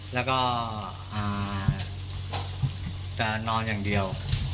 แล้วก็จะนอนอย่างเดียว